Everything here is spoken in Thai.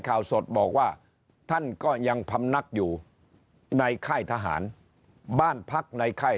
ข่าวสดบอกว่าท่านก็ยังพำนักอยู่ในค่ายทหารบ้านพักในค่าย